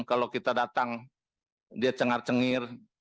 kalau kita datang dia cengar cengir